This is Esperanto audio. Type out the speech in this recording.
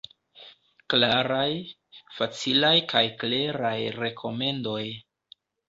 Klaraj, facilaj kaj kleraj rekomendoj.